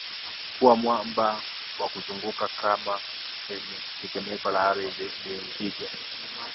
kuwa mwamba na kuzunguka kama tetemeko la ardhi lilipiga